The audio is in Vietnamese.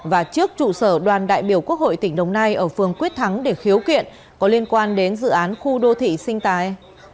và trước trụ sở đoàn đại biểu quốc hội tỉnh đồng nai ở phường quyết thắng để khiếu kiện có liên quan đến dự án khu đô thị sinh thái